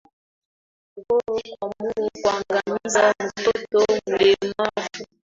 Ukoo kuamua kuangamiza mtoto mlemavu